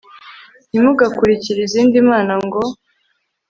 ntimugakurikire izindi mana ngo